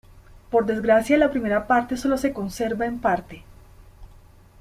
Por desgracia, la primera parte sólo se conserva en parte.